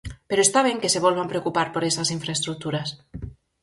Pero está ben que se volvan preocupar por esas infraestruturas.